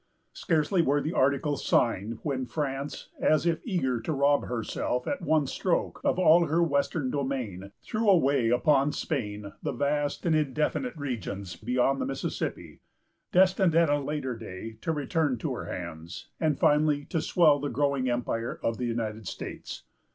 Scarcely were the articles signed, when France, as if eager to rob herself, at one stroke, of all her western domain, threw away upon Spain the vast and indefinite regions beyond the Mississippi, destined at a later day to return to her hands, and finally to swell the growing empire of the United States.